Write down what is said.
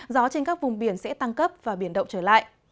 gió trên các vùng biển sẽ tăng cấp và biển động trở lại